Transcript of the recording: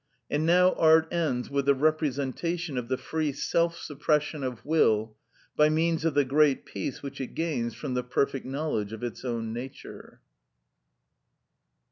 And now art ends with the representation of the free self suppression of will, by means of the great peace which it gains from the perfect knowledge of its own nature.